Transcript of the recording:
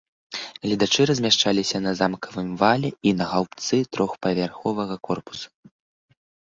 Гледачы размяшчаліся на замкавым вале і на гаўбцы трохпавярховага корпуса.